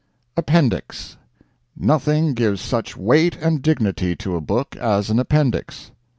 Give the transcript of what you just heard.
APPENDIX Nothing gives such weight and dignity to a book as an Appendix.